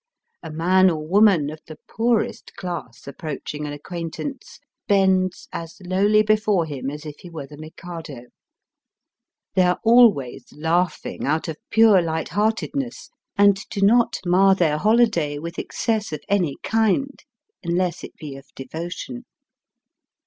A man or woman of the poorest class approaching an acquaintance bends as lowly before him as if he were the Mikado. They are always laughing out of pure light heartedness, and do not mar their holiday with excess of any kind, unless it be of devotion.